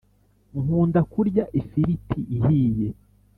nkunda kurya ifiriti ihiye